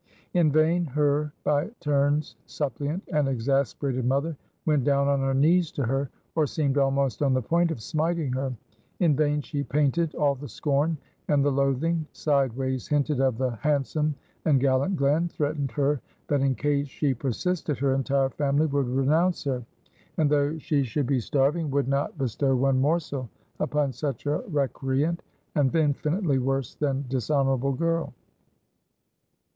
In vain her by turns suppliant, and exasperated mother went down on her knees to her, or seemed almost on the point of smiting her; in vain she painted all the scorn and the loathing; sideways hinted of the handsome and gallant Glen; threatened her that in case she persisted, her entire family would renounce her; and though she should be starving, would not bestow one morsel upon such a recreant, and infinitely worse than dishonorable girl.